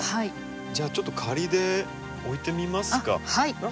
じゃあちょっと仮で置いてみますか。